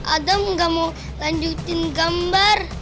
adem gak mau lanjutin gambar